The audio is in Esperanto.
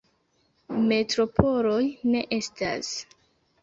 Metropoloj ne estas.